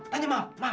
dia juga partneran